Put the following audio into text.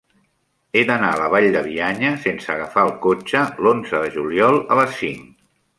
He d'anar a la Vall de Bianya sense agafar el cotxe l'onze de juliol a les cinc.